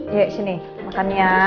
yuk sini makan ya